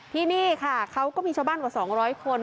ที่นี่ค่ะเขาก็มีชาวบ้านกว่า๒๐๐คน